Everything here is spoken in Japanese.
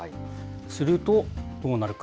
すると、どうなるか。